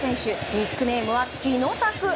ニックネームはキノタク。